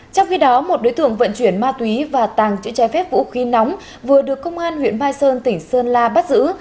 trong khi đó một đối tượng vận chuyển ma túy và tàng trữ trái phép vũ khí nóng vừa được công an huyện mai sơn tỉnh sơn la bắt giữ